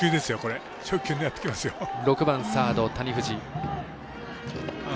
６番、サード、谷藤。